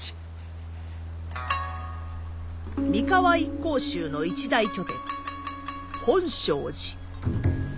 三河一向宗の一大拠点本證寺。